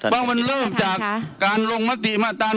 ว่ามันเริ่มจากการลงมนตรีมาตั้ง๑๕๙